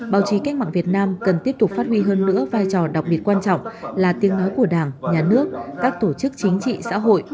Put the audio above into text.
báo chí cách mạng việt nam cần tiếp tục phát huy hơn nữa vai trò đặc biệt quan trọng là tiếng nói của đảng nhà nước các tổ chức chính trị xã hội